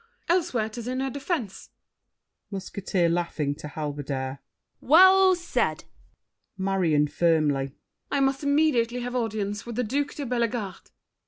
Elsewhere, 'tis in her defense. MUSKETEER (laughing, to Halberdier). Well said! MARION (firmly). I must immediately have audience With the Duke de Bellegarde.